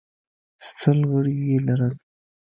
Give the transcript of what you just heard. سل غړي یې لرل